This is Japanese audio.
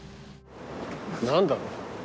何だろう。